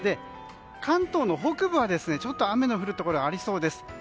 関東の北部は、ちょっと雨の降るところがありそうです。